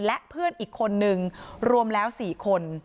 และเพื่อนอีกคนนึงรวมแล้ว๔คน